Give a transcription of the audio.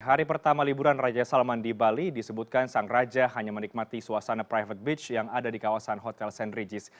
hari pertama liburan raja salman di bali disebutkan sang raja hanya menikmati suasana private beach yang ada di kawasan hotel st regis